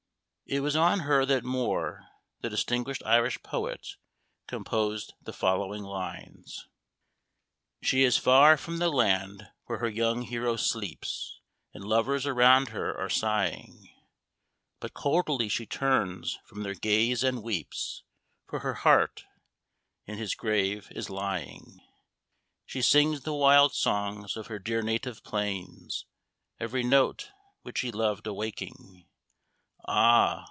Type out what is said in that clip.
It was on her that Moore, the distinguished Irish poet, composed the following lines: She is far from the land where her young hero sleeps, And lovers around her are sighing: But coldly she turns from their gaze, and weeps, For her heart in his grave is lying. She sings the wild song of her dear native plains, Every note which he loved awaking Ah!